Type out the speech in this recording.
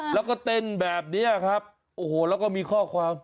แล้วก็เต้นแบบนี้ครับโอ้โหแล้วก็มีข้อความ